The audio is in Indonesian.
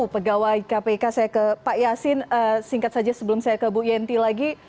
pegawai kpk saya ke pak yasin singkat saja sebelum saya ke bu yenti lagi